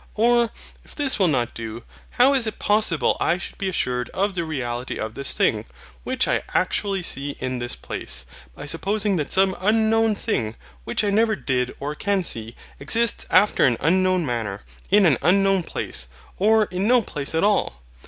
Or, if this will not do, how is it possible I should be assured of the reality of this thing, which I actually see in this place, by supposing that some unknown thing, which I never did or can see, exists after an unknown manner, in an unknown place, or in no place at all?